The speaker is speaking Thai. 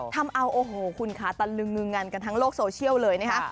ทำเอาโอ้โหคุณค่ะตะลึงงึงงันกันทั้งโลกโซเชียลเลยนะคะ